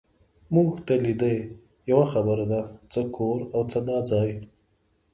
مونږ ته لیدې، یوه خبره ده، څه کور او څه دا ځای.